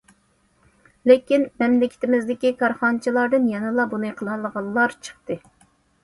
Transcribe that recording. لېكىن مەملىكىتىمىزدىكى كارخانىچىلاردىن يەنىلا بۇنى قىلالىغانلار چىقتى.